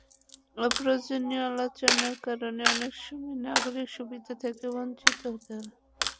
অপ্রয়োজনীয় সমালোচনার কারণে অনেক সময় নাগরিক সুবিধা থেকে বঞ্চিত হতে হয়।